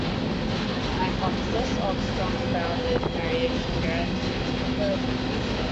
The hypothesis of strong bounded variation guarantees convergence.